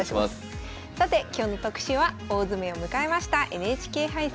さて今日の特集は大詰めを迎えましたＮＨＫ杯戦。